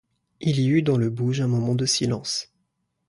Il y eut dans le bouge un moment de silence.